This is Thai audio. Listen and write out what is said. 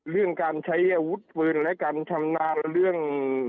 เรื่องการใช้อาวุธปืนและการชำนาญเรื่อง